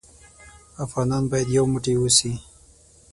افغانان بايد يو موټى اوسې.